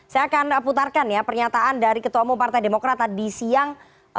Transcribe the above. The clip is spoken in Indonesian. saya akan putarkan ya pernyataan dari ketua umum partai demokrat tadi siang